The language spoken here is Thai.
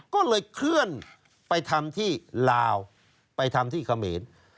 ก็เลยเคลื่อนไปทำที่ลาวไปทำที่เขมร